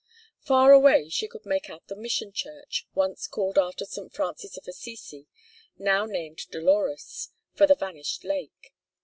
Far away she could make out the Mission Church, once called after St. Francis of Assisi, now named Dolores for the vanished lake.